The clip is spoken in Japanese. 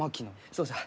そうじゃ。